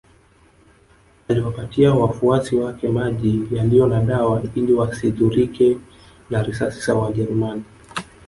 Aliwapatia wafuasi wake maji yaliyo na dawa ili wasidhurike na risasi za wajerumani